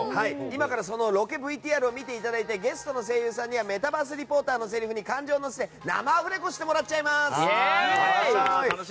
今から、そのロケＶＴＲを見ていただいてゲストの声優さんにはメタバース・リポーターに感情を乗せて生アフレコしてもらっちゃいます。